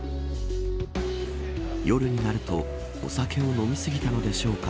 夜になるとお酒を飲みすぎたのでしょうか。